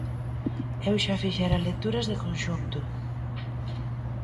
Eu xa fixera lecturas de conxunto.